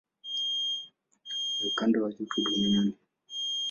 Ni ukanda wa joto duniani.